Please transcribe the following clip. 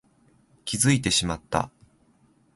気づいてしまった